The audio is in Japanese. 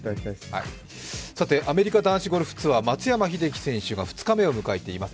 アメリカ男子ゴルフツアー、松山英樹選手が２日目を迎えています。